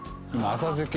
浅漬け⁉